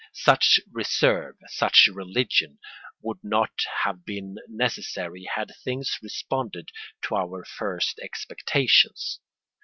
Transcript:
Such reserve, such religion, would not have been necessary had things responded to our first expectations.